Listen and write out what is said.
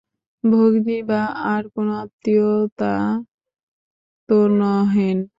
ভগ্নী বা আর কোনো আত্মীয়া তো নহেন?